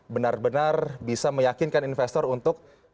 benar benar bisa meyakinkan investor untuk